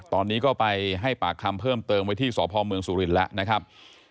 ตอนนี้ก็ไปให้ปากคำเพิ่มเติมไว้ที่สพเมืองสุรินทร์แล้วนะครับ